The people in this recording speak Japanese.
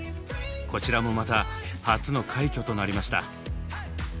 こちらもまた初の快挙となりました。